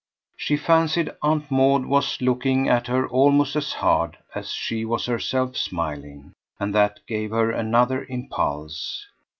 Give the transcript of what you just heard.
She fancied Aunt Maud was looking at her almost as hard as she was herself smiling, and that gave her another impulse.